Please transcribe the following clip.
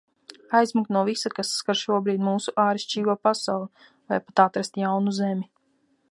Aizmukt no visa, kas skar šobrīd mūsu ārišķīgo pasauli. Vai pat atrast jaunu Zemi.